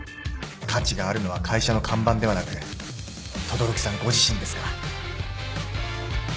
価値があるのは会社の看板ではなく轟さんご自身ですから。